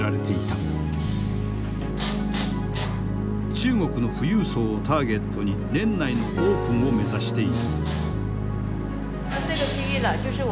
中国の富裕層をターゲットに年内のオープンを目指している。